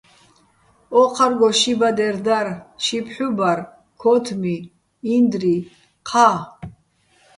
ო́ჴარგო ში ბადერ დარ, ში ფჰ̦უ ბარ, ქო́თმი, ინდრი, ჴა.